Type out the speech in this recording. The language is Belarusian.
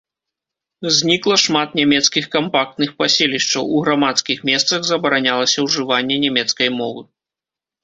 Знікла шмат нямецкіх кампактных паселішчаў, у грамадскіх месцах забаранялася ўжыванне нямецкай мовы.